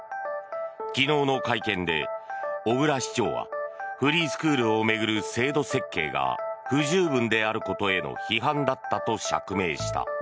昨日の会見で、小椋市長はフリースクールを巡る制度設計が不十分であることへの批判だったと釈明した。